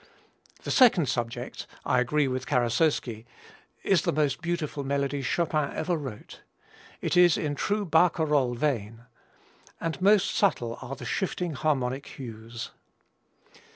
The second subject, I agree with Karasowski, is the most beautiful melody Chopin ever wrote. It is in true barcarolle vein; and most subtle are the shifting harmonic hues.